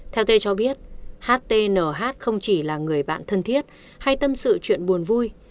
theo t cho biết htnh không chỉ là người bạn thân thiết hay tâm sự chuyện buồn vui